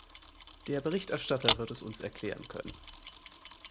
Der Berichterstatter wird es uns erklären können.